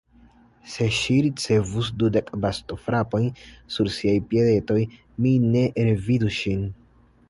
Se ŝi ricevus dudek bastonfrapojn sur siaj piedetoj, mi ne revidus ŝin.